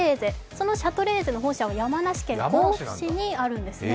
そのシャトレーゼの本社が山梨県甲府市にあるんですね。